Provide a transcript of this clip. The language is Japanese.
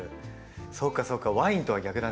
そうかそうかワインとは逆だね。